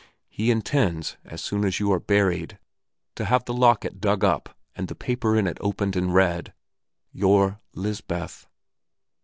He intends, as soon as you are buried, to have the locket dug up and the paper in it opened and read. Your Lisbeth."